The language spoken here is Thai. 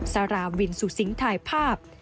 สาราวินสุสิงห์ถ่ายภาพ